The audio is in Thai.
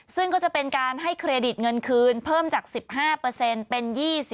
ซึ่งก็จะเป็นการให้เครดิตเงินคืนเพิ่มจาก๑๕เป็น๒๐